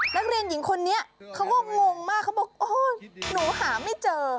นักเรียนหญิงคนนี้เขาก็งงมากเขาบอกโอ๊ยหนูหาไม่เจอ